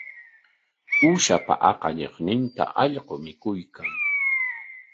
Uushapa aqallinninta allqu mikuykan.